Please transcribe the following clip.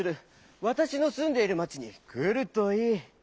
わたしのすんでいる町にくるといい。